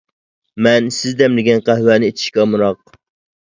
مەن سىز دەملىگەن قەھۋەنى ئىچىشكە ئامراق.